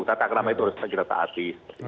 tata kerama itu harus menjadi rata hati